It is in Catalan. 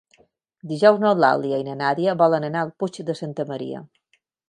Dijous n'Eulàlia i na Nàdia volen anar al Puig de Santa Maria.